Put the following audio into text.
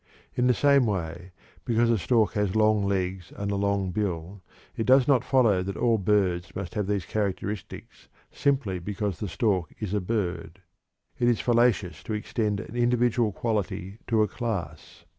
In the same way because a stork has long legs and a long bill, it does not follow that all birds must have these characteristics simply because the stork is a bird. _It is fallacious to extend an individual quality to a class.